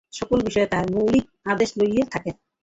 সকল বিষয়ে তাঁহার মৌখিক আদেশ লইয়া থাকেন।